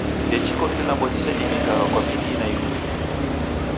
Ndechiko kilambo chisedimikagha kwa bidii na irumirio.